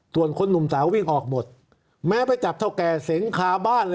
ส่วนคนหนุ่มสาวออกหมดแม้ไปจับเฒ่าแก่เขาเฮียงขาบ้าน